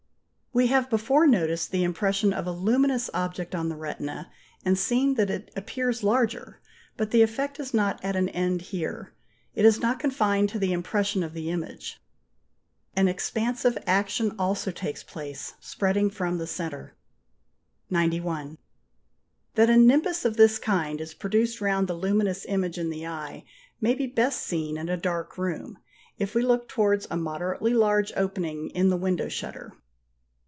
We have before noticed the impression of a luminous object on the retina, and seen that it appears larger: but the effect is not at an end here, it is not confined to the impression of the image; an expansive action also takes place, spreading from the centre. 91. That a nimbus of this kind is produced round the luminous image in the eye may be best seen in a dark room, if we look towards a moderately large opening in the window shutter.